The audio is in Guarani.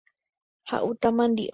Ha'úta mandi'o.